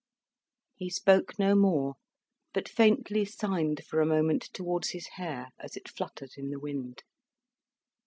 He spoke no more, but faintly signed for a moment towards his hair as it fluttered in the wind.